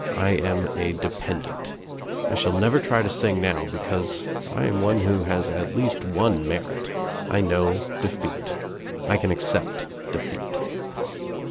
I am a dependent. I shall never try to sing now because I am one who has at least one merit. I know defeat. I can accept defeat."